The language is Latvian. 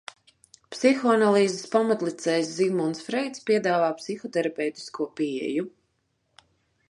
Psihoanalīzes pamatlicējs Zigmunds Freids piedāvā psihoterapeitisko pieeju.